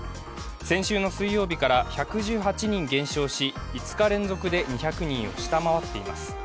先週の水曜日から１１８人減少し、５日連続で２００人を下回っています。